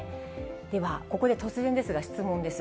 ではここで突然ですが、質問です。